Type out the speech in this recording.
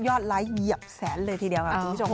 ยอดไลค์เหยียบแสนเลยทีเดียว